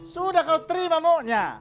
sudah kau terima maunya